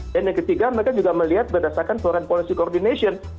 dan yang ketiga mereka juga melihat berdasarkan foreign policy coordination